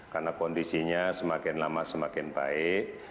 karena kondisinya semakin lama semakin baik